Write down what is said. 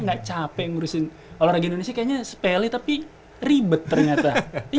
nggak capek ngurusin olahraga indonesia kayaknya sepele tapi ribet ternyata